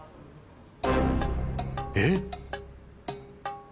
えっ！？